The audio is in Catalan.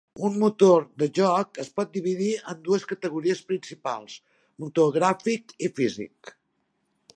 Un motor de joc es pot dividir en dues categories principals: motor gràfic i físic.